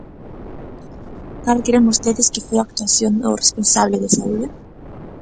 Cal cren vostedes que foi a actuación do responsable de saúde?